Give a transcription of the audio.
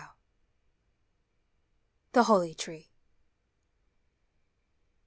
THE HOLLY TREE.